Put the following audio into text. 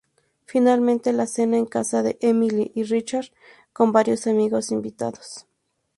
Finalmente, la cena en casa de Emily y Richard con varios amigos invitados.